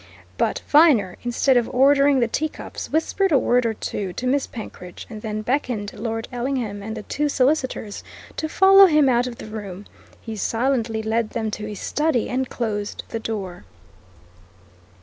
But Viner, instead of ordering the teacups, whispered a word or two to Miss Penkridge, and then beckoned Lord Ellingham and the two solicitors to follow him out of the room. He silently led them to his study and closed the door.